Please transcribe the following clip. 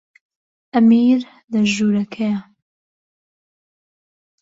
ئەمیر لە ژوورەکەیە.